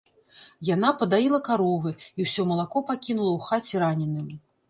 Яна падаіла каровы, і ўсё малако пакінула ў хаце раненым.